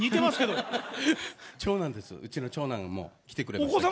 うちの長男も来てくれまして。